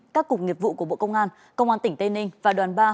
các cục nghiệp vụ của bộ công an công an tỉnh tây ninh và đoàn ba